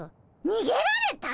にげられた！？